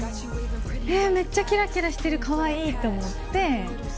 え、めっちゃきらきらしてる、かわいいって思って。